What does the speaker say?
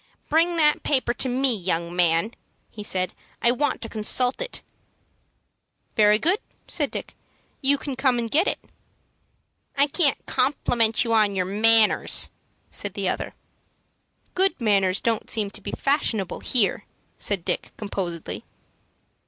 "Bring that paper to me, young man," he said; "I want to consult it." "Very good," said Dick; "you can come and get it." "I can't compliment you on your good manners," said the other. "Good manners don't seem to be fashionable here," said Dick, composedly.